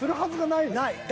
ない。